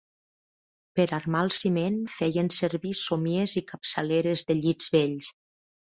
Per armar el ciment feien servir somiers i capçaleres de llits vells